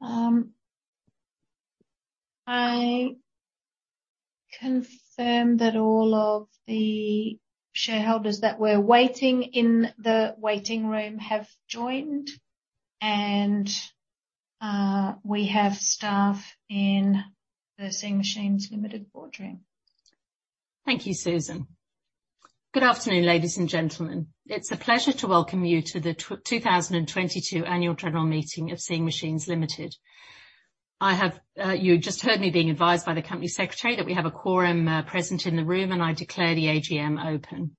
I confirm that all of the shareholders that were waiting in the waiting room have joined and we have staff in the Seeing Machines Limited boardroom. Thank you, Susan. Good afternoon, ladies and gentlemen. It's a pleasure to welcome you to the 2022 Annual General Meeting of Seeing Machines Limited. I have You just heard me being advised by the company secretary that we have a quorum present in the room, and I declare the AGM open.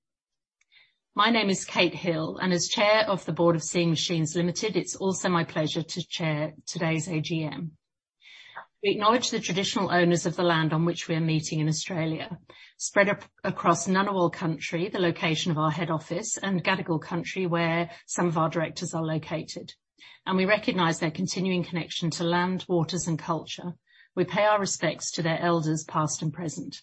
My name is Kate Hill, and as Chair of the Board of Seeing Machines Limited, it's also my pleasure to chair today's AGM. We acknowledge the traditional owners of the land on which we are meeting in Australia, spread across Ngunnawal country, the location of our head office, and Gadigal country, where some of our directors are located, and we recognize their continuing connection to land, waters and culture. We pay our respects to their elders, past and present.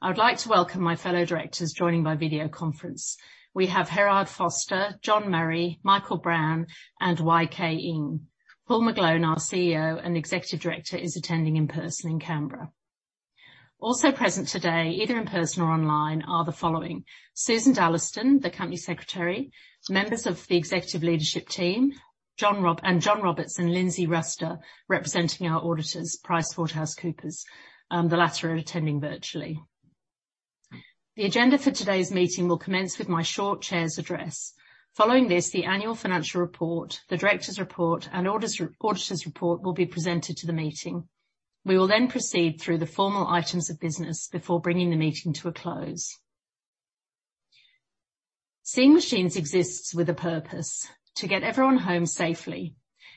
I would like to welcome my fellow directors joining by video conference. We have Gerhard Vorster, John Murray, Michael Brown, and YK Ng. Paul McGlone, our CEO and Executive Director, is attending in person in Canberra. Also present today, either in person or online, are the following: Suzanne Dalliston, the Company Secretary, members of the executive leadership team, John Roberts and Lindsey Ruster, representing our auditors, PricewaterhouseCoopers. The latter are attending virtually. The agenda for today's meeting will commence with my short Chair's Address. Following this, the annual financial report, the director's report, and auditors' report will be presented to the meeting. We will then proceed through the formal items of business before bringing the meeting to a close. Seeing Machines exists with a purpose: to get everyone home safely,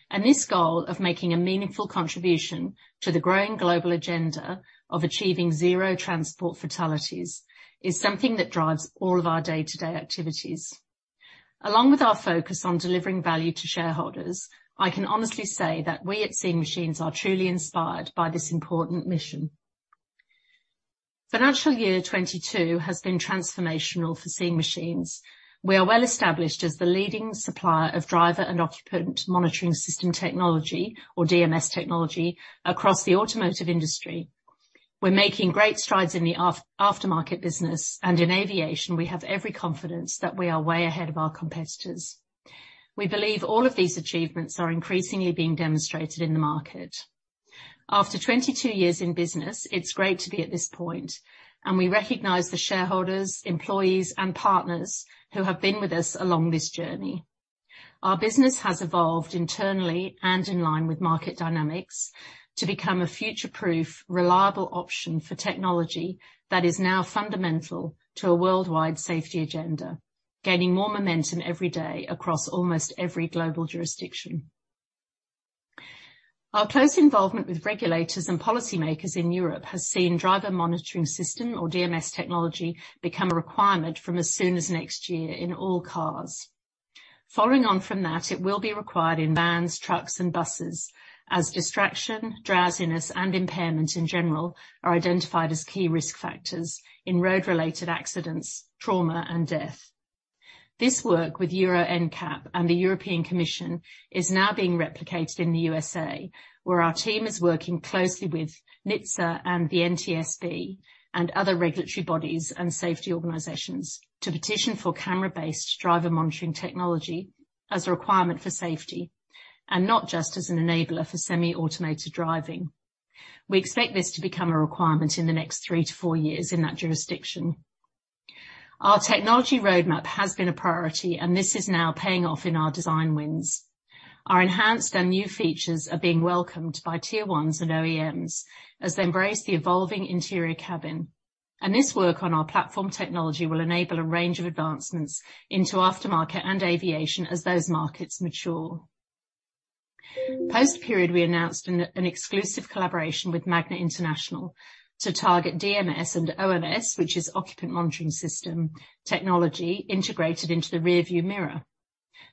and this goal of making a meaningful contribution to the growing global agenda of achieving zero transport fatalities is something that drives all of our day-to-day activities. Along with our focus on delivering value to shareholders, I can honestly say that we at Seeing Machines are truly inspired by this important mission. Financial year 2022 has been transformational for Seeing Machines. We are well established as the leading supplier of driver and occupant monitoring system technology, or DMS technology, across the automotive industry. We're making great strides in the aftermarket business. In aviation, we have every confidence that we are way ahead of our competitors. We believe all of these achievements are increasingly being demonstrated in the market. After 22 years in business, it's great to be at this point. We recognize the shareholders, employees, and partners who have been with us along this journey. Our business has evolved internally and in line with market dynamics to become a future-proof, reliable option for technology that is now fundamental to a worldwide safety agenda, gaining more momentum every day across almost every global jurisdiction. Our close involvement with regulators and policymakers in Europe has seen driver monitoring system or DMS technology become a requirement from as soon as next year in all cars. Following on from that, it will be required in vans, trucks, and buses as distraction, drowsiness, and impairment, in general, are identified as key risk factors in road-related accidents, trauma, and death. This work with Euro NCAP and the European Commission is now being replicated in the U.S.A, where our team is working closely with NHTSA and the NTSB and other regulatory bodies and safety organizations to petition for camera-based driver monitoring technology as a requirement for safety and not just as an enabler for semi-automated driving. We expect this to become a requirement in the next three to four years in that jurisdiction. Our technology roadmap has been a priority. This is now paying off in our design wins. Our enhanced and new features are being welcomed by tier ones and OEMs as they embrace the evolving interior cabin. This work on our platform technology will enable a range of advancements into aftermarket and aviation as those markets mature. Post-period, we announced an exclusive collaboration with Magna International to target DMS and OMS, which is occupant monitoring system technology integrated into the rearview mirror.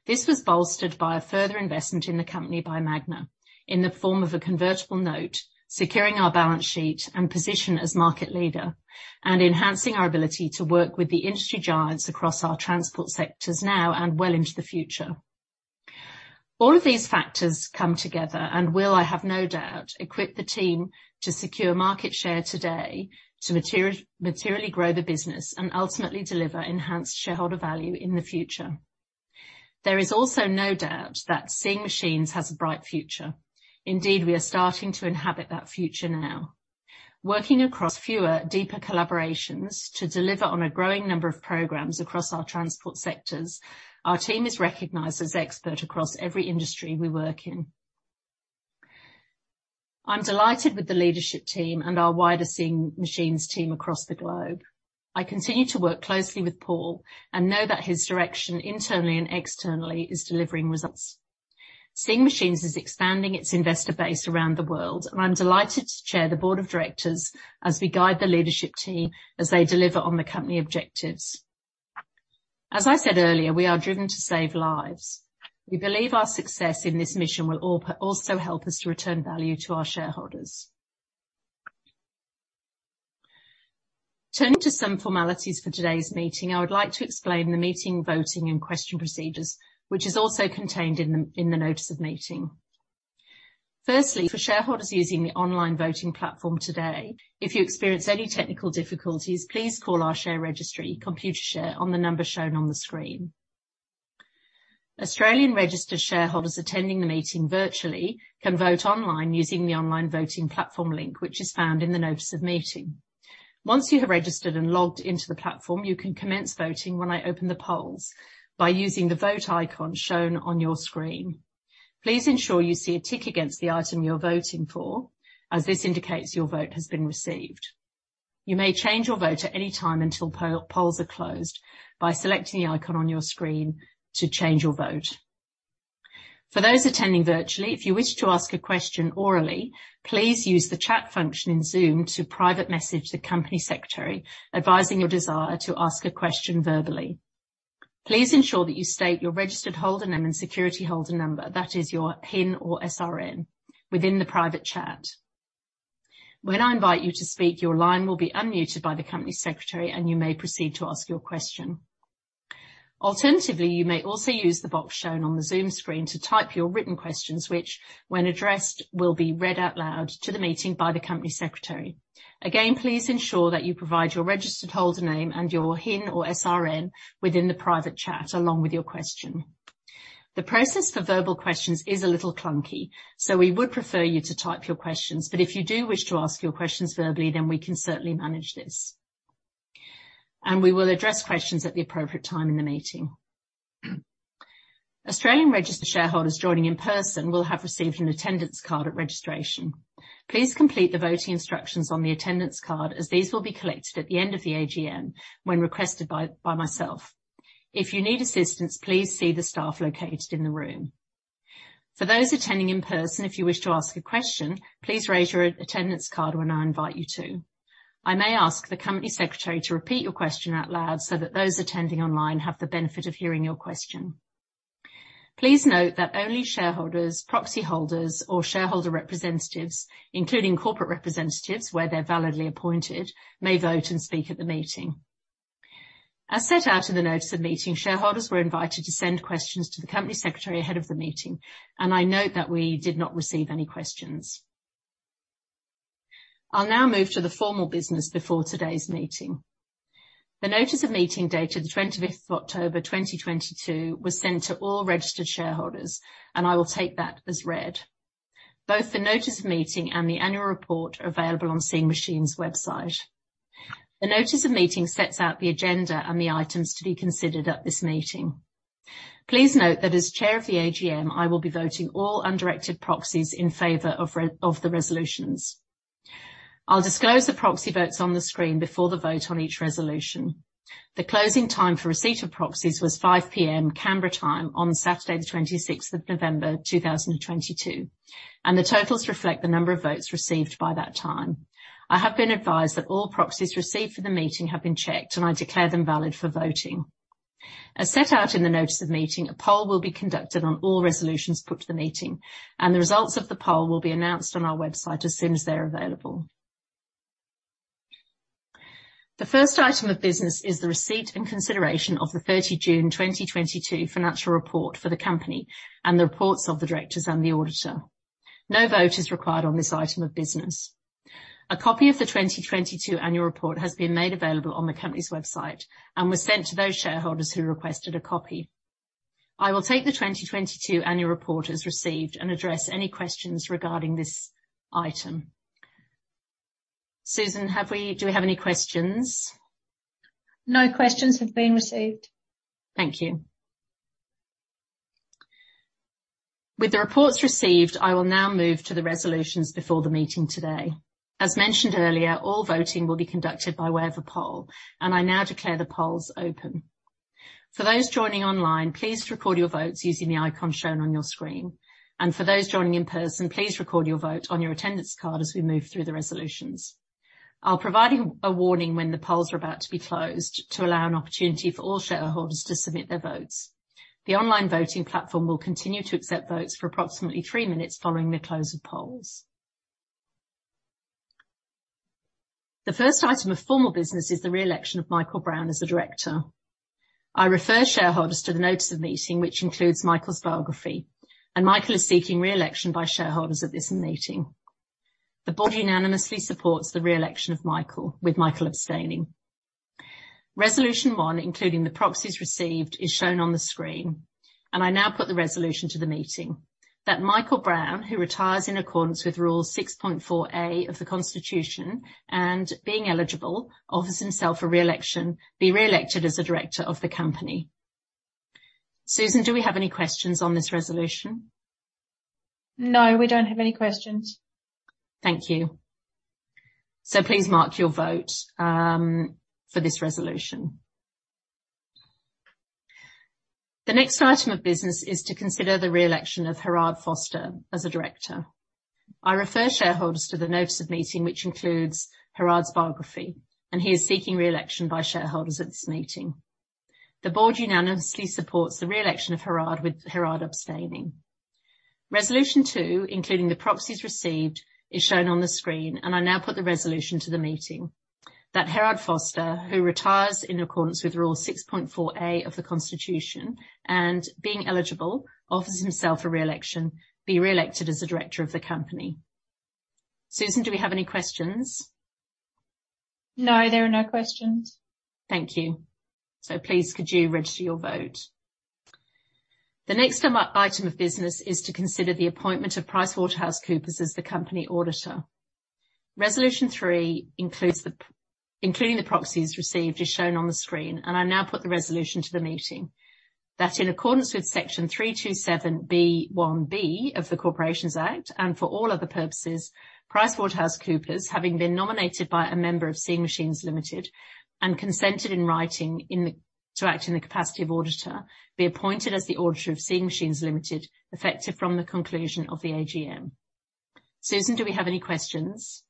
This was bolstered by a further investment in the company by Magna in the form of a convertible note, securing our balance sheet and position as market leader and enhancing our ability to work with the industry giants across our transport sectors now and well into the future. All of these factors come together and will, I have no doubt, equip the team to secure market share today to materially grow the business and ultimately deliver enhanced shareholder value in the future. There is also no doubt that Seeing Machines has a bright future. Indeed, we are starting to inhabit that future now. Working across fewer, deeper collaborations to deliver on a growing number of programs across our transport sectors, our team is recognized as expert across every industry we work in. I'm delighted with the leadership team and our wider Seeing Machines team across the globe. I continue to work closely with Paul and know that his direction, internally and externally, is delivering results. Seeing Machines is expanding its investor base around the world, and I'm delighted to chair the board of directors as we guide the leadership team as they deliver on the company objectives. As I said earlier, we are driven to save lives. We believe our success in this mission will also help us to return value to our shareholders. Turning to some formalities for today's meeting, I would like to explain the meeting voting and question procedures, which is also contained in the notice of meeting. Firstly, for shareholders using the online voting platform today, if you experience any technical difficulties, please call our share registry Computershare on the number shown on the screen. Australian registered shareholders attending the meeting virtually can vote online using the online voting platform link, which is found in the notice of meeting. Once you have registered and logged into the platform, you can commence voting when I open the polls by using the vote icon shown on your screen. Please ensure you see a tick against the item you're voting for, as this indicates your vote has been received. You may change your vote at any time until polls are closed by selecting the icon on your screen to change your vote. For those attending virtually, if you wish to ask a question orally, please use the chat function in Zoom to private message the company secretary advising your desire to ask a question verbally. Please ensure that you state your registered holder name and security holder number, that is your PIN or SRN within the private chat. When I invite you to speak, your line will be unmuted by the company secretary and you may proceed to ask your question. Alternatively, you may also use the box shown on the Zoom screen to type your written questions, which when addressed will be read out loud to the meeting by the company secretary. Again, please ensure that you provide your registered holder name and your HIN or SRN within the private chat along with your question. The process for verbal questions is a little clunky. We would prefer you to type your questions. If you do wish to ask your questions verbally, we can certainly manage this. We will address questions at the appropriate time in the meeting. Australian registered shareholders joining in person will have received an attendance card at registration. Please complete the voting instructions on the attendance card as these will be collected at the end of the AGM when requested by myself. If you need assistance, please see the staff located in the room. For those attending in person, if you wish to ask a question, please raise your attendance card when I invite you to. I may ask the company secretary to repeat your question out loud so that those attending online have the benefit of hearing your question. Please note that only shareholders, proxy holders or shareholder representatives, including corporate representatives, where they're validly appointed, may vote and speak at the meeting. As set out in the notice of meeting, shareholders were invited to send questions to the company secretary ahead of the meeting, and I note that we did not receive any questions. I'll now move to the formal business before today's meeting. The notice of meeting dated the 25th of October, 2022, was sent to all registered shareholders, and I will take that as read. Both the notice of meeting and the annual report are available on Seeing Machines website. The notice of meeting sets out the agenda and the items to be considered at this meeting. Please note that as chair of the AGM, I will be voting all undirected proxies in favor of the resolutions. I'll disclose the proxy votes on the screen before the vote on each resolution. The closing time for receipt of proxies was 5:00 P.M. Canberra time on Saturday the 26th of November, 2022. The totals reflect the number of votes received by that time. I have been advised that all proxies received for the meeting have been checked. I declare them valid for voting. As set out in the notice of meeting, a poll will be conducted on all resolutions put to the meeting. The results of the poll will be announced on our website as soon as they're available. The first item of business is the receipt and consideration of the 30 June 2022 financial report for the company and the reports of the directors and the auditor. No vote is required on this item of business. A copy of the 2022 annual report has been made available on the company's website and was sent to those shareholders who requested a copy. I will take the 2022 annual report as received and address any questions regarding this item. Susan, do we have any questions? No questions have been received. Thank you. With the reports received, I will now move to the resolutions before the meeting today. As mentioned earlier, all voting will be conducted by way of a poll. I now declare the polls open. For those joining online, please record your votes using the icon shown on your screen. For those joining in person, please record your vote on your attendance card as we move through the resolutions. I'll provide a warning when the polls are about to be closed to allow an opportunity for all shareholders to submit their votes. The online voting platform will continue to accept votes for approximately three minutes following the close of polls. The first item of formal business is the reelection of Michael Brown as a director. I refer shareholders to the notice of meeting, which includes Michael's biography, and Michael is seeking reelection by shareholders at this meeting. The board unanimously supports the reelection of Michael, with Michael abstaining. Resolution 1, including the proxies received, is shown on the screen. I now put the resolution to the meeting that Michael Brown, who retires in accordance with rule 6.4(a) of the Constitution, and being eligible, offers himself for reelection, be reelected as a director of the company. Susan, do we have any questions on this resolution? No, we don't have any questions. Thank you. Please mark your vote for this resolution. The next item of business is to consider the reelection of Gerhard Vorster as a director. I refer shareholders to the notice of meeting, which includes Gerhard Vorster's biography. He is seeking reelection by shareholders at this meeting. The board unanimously supports the reelection of Gerhard Vorster, with Gerhard Vorster abstaining. Resolution 2, including the proxies received, is shown on the screen. I now put the resolution to the meeting that Gerhard Vorster, who retires in accordance with rule 6.4(a) of the Constitution, and being eligible, offers himself for re-election, be re-elected as a director of the company. Susan, do we have any questions? No, there are no questions. Thank you. Please could you register your vote. The next item of business is to consider the appointment of PricewaterhouseCoopers as the company auditor. Resolution 3, including the proxies received, is shown on the screen. I now put the resolution to the meeting that in accordance with Section 327B(1)(b) of the Corporations Act, for all other purposes, PricewaterhouseCoopers, having been nominated by a member of Seeing Machines Limited and consented in writing to act in the capacity of auditor, be appointed as the auditor of Seeing Machines Limited, effective from the conclusion of the AGM. Susan, do we have any questions?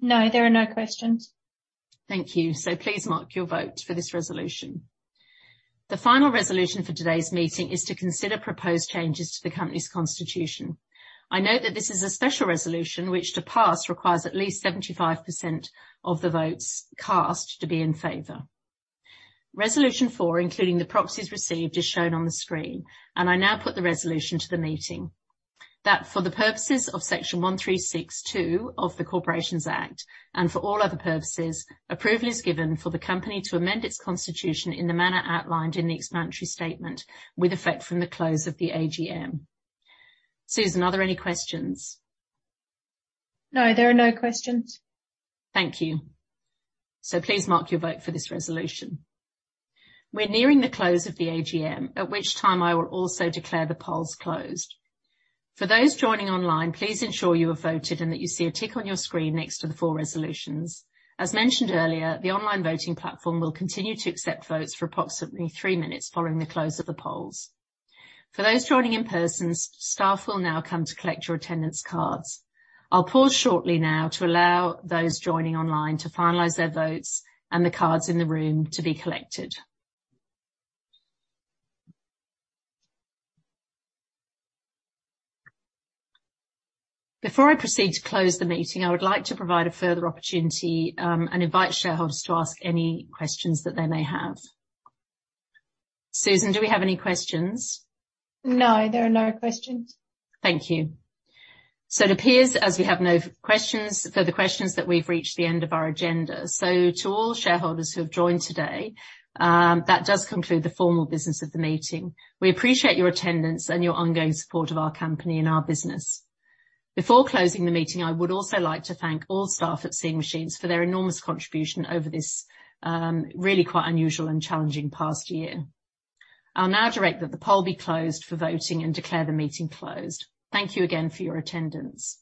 No, there are no questions. Thank you. Please mark your vote for this resolution. The final resolution for today's meeting is to consider proposed changes to the company's constitution. I note that this is a special resolution which to pass, requires at least 75% of the votes cast to be in favor. Resolution 4, including the proxies received, is shown on the screen. I now put the resolution to the meeting that for the purposes of Section 136(2) of the Corporations Act, for all other purposes, approval is given for the company to amend its constitution in the manner outlined in the explanatory statement with effect from the close of the AGM. Susan, are there any questions? No, there are no questions. Thank you. Please mark your vote for this resolution. We're nearing the close of the AGM, at which time I will also declare the polls closed. For those joining online, please ensure you have voted and that you see a tick on your screen next to the four resolutions. As mentioned earlier, the online voting platform will continue to accept votes for approximately three minutes following the close of the polls. For those joining in person, staff will now come to collect your attendance cards. I'll pause shortly now to allow those joining online to finalize their votes and the cards in the room to be collected. Before I proceed to close the meeting, I would like to provide a further opportunity and invite shareholders to ask any questions that they may have. Susan, do we have any questions? No, there are no questions. Thank you. It appears as we have no questions, further questions that we've reached the end of our agenda. To all shareholders who have joined today, that does conclude the formal business of the meeting. We appreciate your attendance and your ongoing support of our company and our business. Before closing the meeting, I would also like to thank all staff at Seeing Machines for their enormous contribution over this, really quite unusual and challenging past year. I'll now direct that the poll be closed for voting and declare the meeting closed. Thank you again for your attendance.